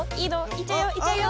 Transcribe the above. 行っちゃうよ行っちゃうよ？